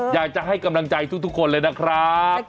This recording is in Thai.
อยากจะให้กำลังใจทุกคนเลยนะครับ